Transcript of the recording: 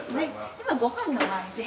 今ごはんの前で。